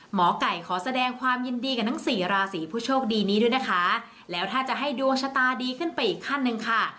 หมอไก่ขอแสดงความยินดีกับทั้งสี่ราศีผู้โชคดีนี้ด้วยนะคะแล้วถ้าจะให้ดวงชะตาดีขึ้นไปอีกขั้นหนึ่งค่ะ